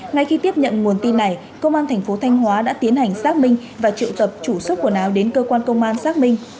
ngay khi tiếp nhận nguồn tin này công an thành phố thanh hóa đã tiến hành xác minh và triệu tập chủ số quần áo đến cơ quan công an xác minh